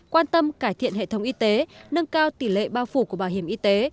quan tâm cải thiện hệ thống y tế nâng cao tỷ lệ bao phủ của bảo hiểm y tế